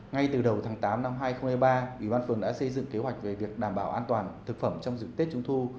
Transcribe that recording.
ngay từ đầu tháng tám năm hai nghìn hai mươi ba ủy ban phường đã xây dựng kế hoạch về việc đảm bảo an toàn thực phẩm trong dịp tết trung thu